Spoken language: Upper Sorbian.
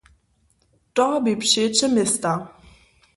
To bě přeće města.